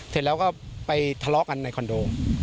เสร็จแล้วก็ไปทะเลาะกันในคอนโด